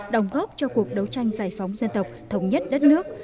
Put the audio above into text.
đồng góp cho cuộc đấu tranh giải phóng dân tộc thống nhất đất nước